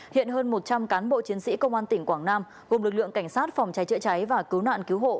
hiện hơn một trăm linh cán bộ chiến sĩ công an tỉnh quảng nam gồm lực lượng cảnh sát phòng cháy chữa cháy và cứu nạn cứu hộ